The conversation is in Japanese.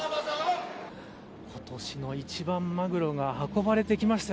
今年の一番マグロが運ばれてきましたよ。